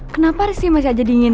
kenapa sih masih aja dingin